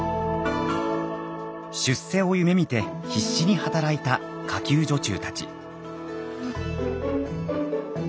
出世を夢みて必死に働いた下級女中たち。